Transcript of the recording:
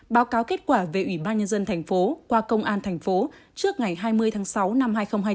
báo cáo kết quả về ủy ban nhân dân thành phố qua công an thành phố trước ngày hai mươi tháng sáu năm hai nghìn hai mươi